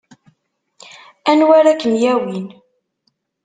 Anwa ara kem-yawin?